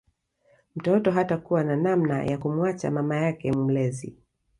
Mtoto hatakuwa na namna ya kumuacha mama yake mlezi